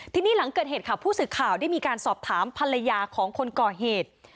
ทีนี้หลังเกิดเหตุค่ะผู้สื่อข่าวได้มีการสอบถามภรรยาของคนก่อเหตุ